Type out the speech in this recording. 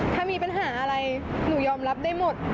ถ้ามีปัญหาอะไรหนูยอมรับได้หมด